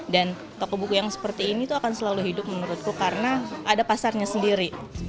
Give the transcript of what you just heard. dan toko buku yang seperti ini akan selalu hidup menurutku karena ada pasarnya sendiri